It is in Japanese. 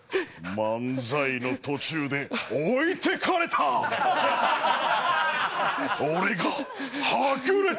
漫才の途中で置いてかれた。